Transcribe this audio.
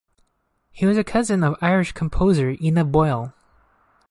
He was a cousin of Irish composer Ina Boyle.